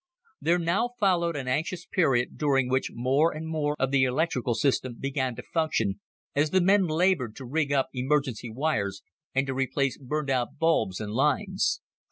There now followed an anxious period during which more and more of the electrical system began to function as the men labored to rig up emergency wires, and to replace burned out bulbs and lines.